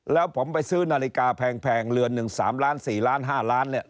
แล้วผมไปซื้อนาฬิกาแพงแพงเรือนหนึ่งสามล้านสี่ล้านห้าล้านเนี้ย